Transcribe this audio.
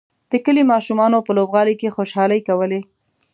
د کلي ماشومانو په لوبغالي کې خوشحالۍ کولې.